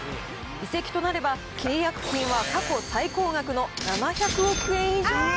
移籍となれば、契約金は過去最高額の７００億円以上。